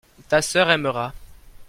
ta sœur aimera.